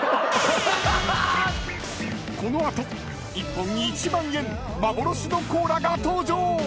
［この後１本１万円幻のコーラが登場］